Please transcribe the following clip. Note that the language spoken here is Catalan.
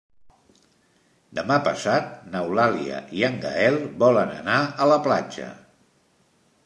Demà passat n'Eulàlia i en Gaël volen anar a la platja.